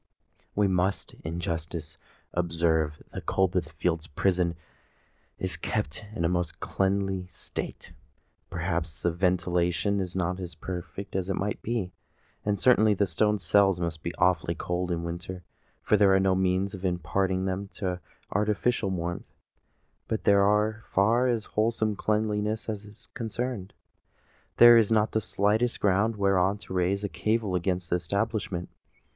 We must in justice observe that Coldbath Fields' Prison is kept in a most cleanly state. Perhaps the ventilation is not as perfect as it might be; and certainly the stone cells must be awfully cold in winter, for there are no means of imparting to them any artificial warmth. But as far as wholesome cleanliness is concerned, there is not the slightest ground whereon to raise a cavil against the establishment.